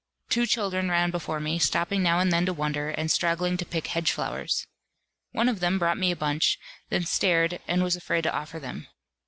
Two children ran before me, stopping now and then to wonder, and straggling to pick hedge flowers. One of them brought me a bunch, then stared, and was afraid to offer them.